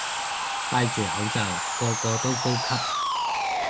戴住口罩個個都高級